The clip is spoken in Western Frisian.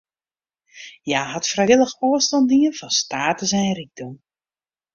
Hja hat frijwillich ôfstân dien fan status en rykdom.